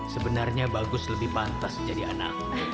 sebenarnya bagus lebih pantas menjadi anak